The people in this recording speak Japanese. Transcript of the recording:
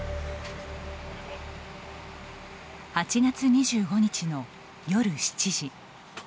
８月２５日の夜７時。